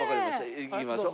行きましょう。